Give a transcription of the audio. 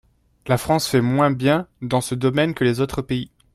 La France fait moins bien dans ce domaine que les autres pays.